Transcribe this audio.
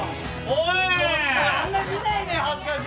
おい。